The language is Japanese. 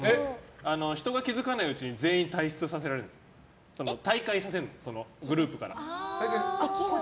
人が気付かないうちに全員退出させる退会させるの、グループから。